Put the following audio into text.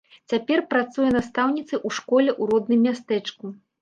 Цяпер працуе настаўніцай у школе ў родным мястэчку.